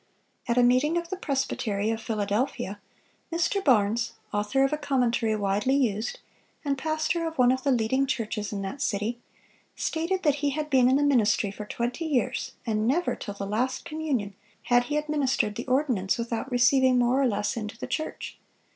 At a meeting of the presbytery of Philadelphia, Mr. Barnes, author of a commentary widely used, and pastor of one of the leading churches in that city, "stated that he had been in the ministry for twenty years, and never, till the last communion, had he administered the ordinance without receiving more or less into the church.